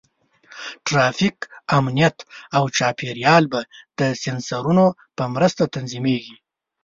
ټرافیک، امنیت، او چاپېریال به د سینسرونو په مرسته تنظیمېږي.